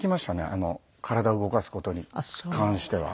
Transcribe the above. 体動かす事に関しては。